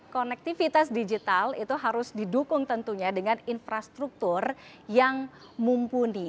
konektivitas digital itu harus didukung tentunya dengan infrastruktur yang mumpuni